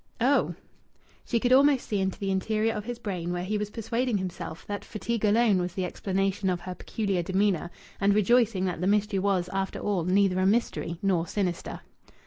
"Oh!" She could almost see into the interior of his brain, where he was persuading himself that fatigue alone was the explanation of her peculiar demeanour, and rejoicing that the mystery was, after all, neither a mystery nor sinister.